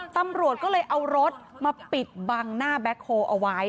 ตำรวจก็เลยเอารถมาปิดบังหน้าแบ็คโฮลเอาไว้